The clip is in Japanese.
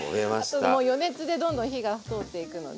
あともう余熱でどんどん火がとおっていくので。